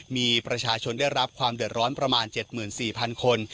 มีประชาชนได้รับความเดือดร้อนประมาณ๗๔๐๐คน